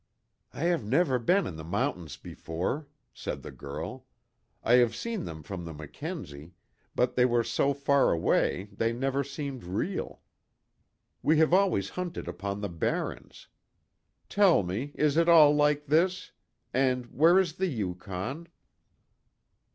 "I have never been in the mountains before," said the girl, "I have seen them from the Mackenzie, but they were so far away they never seemed real. We have always hunted upon the barrens. Tell me, is it all like this? And where is the Yukon?"